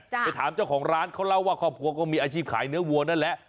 ไปถามเจ้าของร้านเขาเล่าว่าครอบครัวก็มีอาชีพขายเนื้อวัวนั่นแหละ